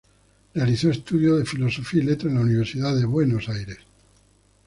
Realizó estudios de Filosofía y Letras en la Universidad de Buenos Aires.